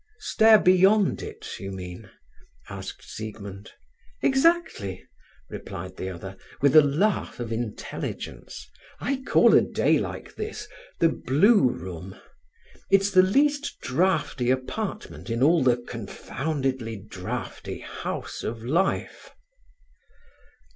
"Stare beyond it, you mean?" asked Siegmund. "Exactly!" replied the other, with a laugh of intelligence. "I call a day like this 'the blue room'. It's the least draughty apartment in all the confoundedly draughty House of Life."